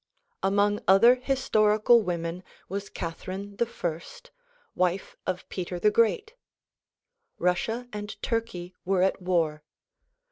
Among other historical women was Catherine I, wife of Peter the Great. RuSvsia and Turkey were at war.